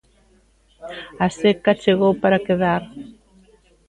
'A seca chegou para quedar'.